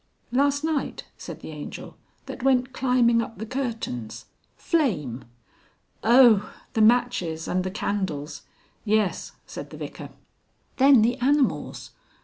"Last night," said the Angel, "that went climbing up the curtains Flame!" "Oh! the matches and the candles! Yes," said the Vicar. "Then the animals.